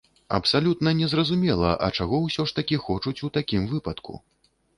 Абсалютна не зразумела, а чаго ўсё ж такі хочуць у такім выпадку?